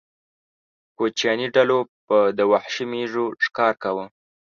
کوچیاني ډلو به د وحشي مېږو ښکار کاوه.